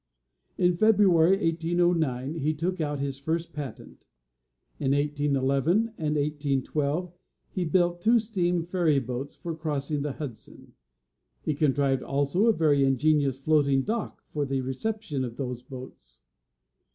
In February, 1809, he took out his first patent. In 1811 and 1812, he built two steam ferry boats for crossing the Hudson; he contrived also a very ingenious floating dock for the reception of those boats.